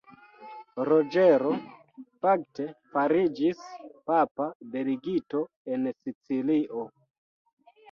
Roĝero, fakte, fariĝis papa delegito en Sicilio.